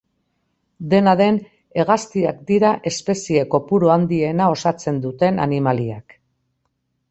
Dena den, hegaztiak dira espezie kopuru handiena osatzen duten animaliak.